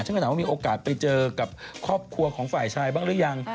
ฉันก็ถามว่ามีโอกาสไปเจอกับครอบครัวของฝ่ายชายบ้างหรือยัง